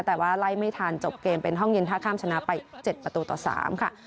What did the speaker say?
แต่ว่าไล่ไม่ทันจบเกมเป็นห้องเย็นท่าข้ามชนะไป๗ประตูต่อ๓ค่ะ